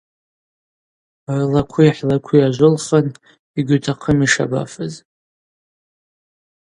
Рлакви хӏлакви ажвылхын – йгьутахъым йшабафыз.